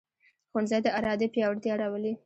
ښوونځی د ارادې پیاوړتیا راولي